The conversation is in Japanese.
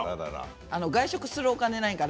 外食するお金がないから。